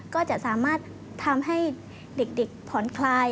ก็จะสามารถทำให้เด็กผ่อนคลาย